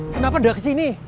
kenapa udah kesini